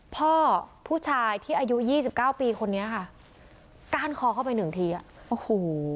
พ่อผู้ชายที่อายุยี่สิบเก้าปีคนนี้ค่ะก้านคอเข้าไปหนึ่งทีอ่ะโอ้โห